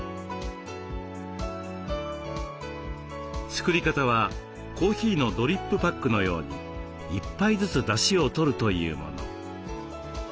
作り方はコーヒーのドリップパックのように１杯ずつだしをとるというもの。